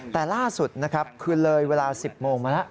แต่ล่าสุดนะครับคือเลยเวลา๑๐โมงมาแล้ว